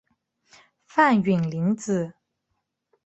范允临子。